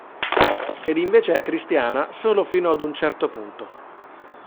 Ed invece è cristiana solo fino ad un certo punto.